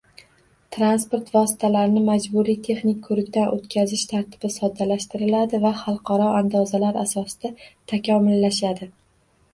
Transport vositalarini majburiy texnik koʻrikdan oʻtkazish tartibi soddalashtiriladi va xalqaro andozalar asosida takomillashadi.